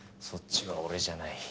そっちは俺じゃない。